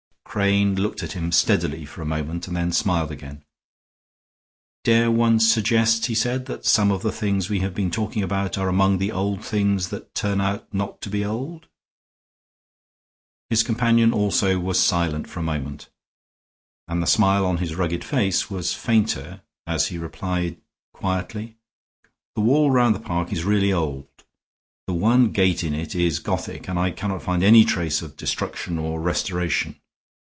Crane looked at him steadily for a moment and then smiled again. "Dare one suggest," he said, "that some of the things we have been talking about are among the old things that turn out not to be old?" His companion also was silent for a moment, and the smile on his rugged face was fainter as he replied, quietly: "The wall round the park is really old. The one gate in it is Gothic, and I cannot find any trace of destruction or restoration.